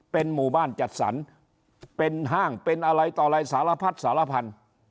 เป็นหมู่บ้านจัดสรรเป็นห้างเป็นอะไรต่ออะไรสารพัดสารพันธุ์